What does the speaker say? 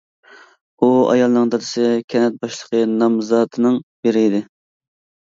ئۇ ئايالنىڭ دادىسى كەنت باشلىقى نامزاتىنىڭ بىرى ئىكەن.